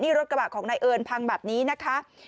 นี่รถกระบะของนายเอิญพังแบบนี้นะคะ